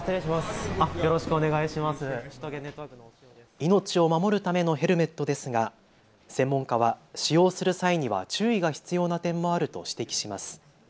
命を守るためのヘルメットですが専門家は使用する際には注意が必要な点もあると指摘します。